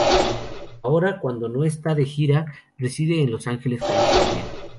Ahora, cuando no está de gira, reside en Los Ángeles, California.